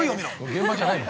◆現場じゃないの？